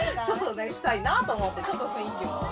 ちょっとねしたいなぁと思ってちょっと雰囲気を。